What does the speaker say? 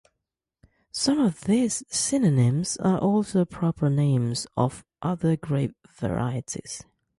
Some of these synonyms are also proper names of other grape varieties.